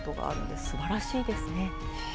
すばらしいですね。